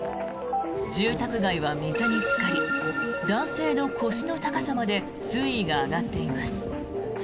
住宅街は水につかり男性の腰の高さまで水位が上がっています。